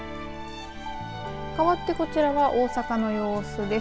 かわってこちらは大阪の様子です。